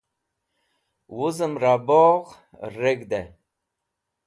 Wuzem Ra Bogh Reg̃hde